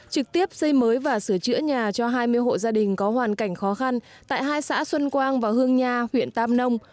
trực tiếp xây mới và sửa chữa nhà cho hai mươi hộ gia đình có hoàn cảnh khó khăn tại hai xã xuân quang và hương nha huyện tam nông